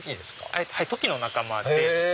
はいトキの仲間で。